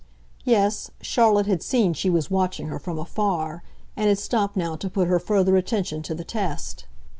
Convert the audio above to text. Yes, Charlotte had seen she was watching her from afar, and had stopped now to put her further attention to the test.